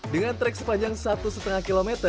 dengan trek sepanjang satu lima km